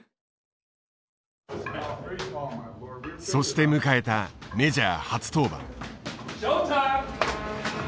そして迎えたメジャー初登板。